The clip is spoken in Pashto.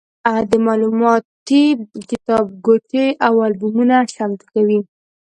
د معلوماتي کتابګوټي او البومونه چمتو کوي.